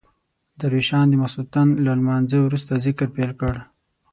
درویشان د ماخستن له لمانځه وروسته ذکر پیل کړ.